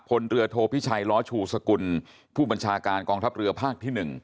พลเรือโทพิชัยล้อชูสกุลผู้บัญชาการกองทัพเรือภาคที่๑